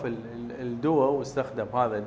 ini adalah hal yang diperlukan